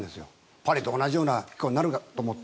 パリと同じような気候になると思って。